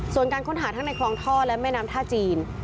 ส่วนการค้นหาทั้งในคลองท่อและแม่น้ำท่าจีน